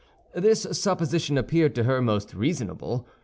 This supposition appeared to her most reasonable.